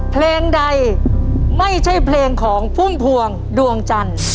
เพลงใดไม่ใช่เพลงของพุ่มพวงดวงจันทร์